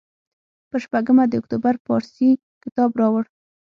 پر شپږمه د اکتوبر پارسي کتاب راوړ.